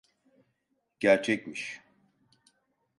Gerçekmiş…